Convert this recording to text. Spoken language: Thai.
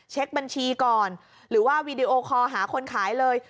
เช็คบัญชีก่อนหรือว่าวีดีโอคอลหาคนขายเลย